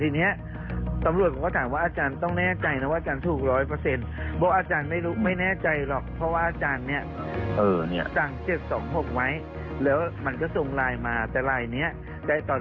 เหมือนกับแผนพูดกินก่อนก็ว่ากินก่อน